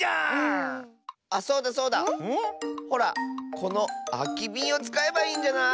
このあきびんをつかえばいいんじゃない？